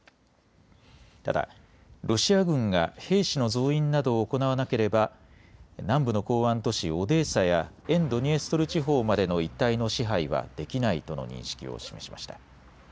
ただロシア軍が兵士の増員などを行わなければ南部の港湾都市オデーサや沿ドニエストル地方までの一帯の支配はできないとの認識を示しました。